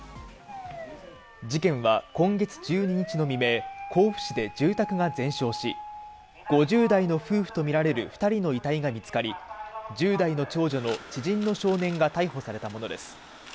事件は今月１２日の未明、甲府市で住宅が全焼し、５０代の夫婦とみられる２人の遺体が見つかり、１０代の長女の知人の少年が逮捕されたものです。